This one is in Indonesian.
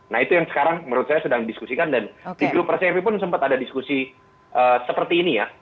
nah itu yang sekarang menurut saya sedang diskusikan dan di grup resep pun sempat ada diskusi seperti ini ya